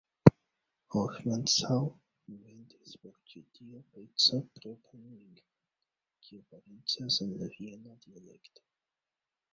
Hofmannsthal inventis por ĉi tiu peco propran lingvon, kiu parencas al la viena dialekto.